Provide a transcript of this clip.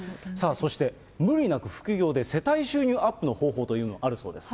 そして無理なく副業で世帯収入アップの方法というのがあるそうです。